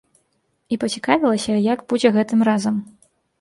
І пацікавілася, як будзе гэтым разам.